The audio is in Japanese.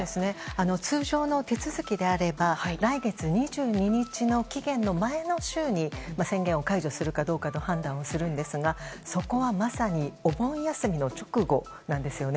通常の手続きであれば来月２２日の期限の前の週に宣言を解除するかどうかの判断をするんですがそこはまさにお盆休みの直後なんですよね。